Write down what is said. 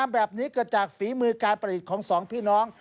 แบบนี้เกิดจากฝีมือการผลิตของสองพี่น้อง